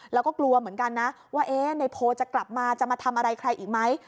แล้วก็กลัวเหมือนกันนะว่าในโพลจะกลับมาจะมาทำอะไรใครอีกไหม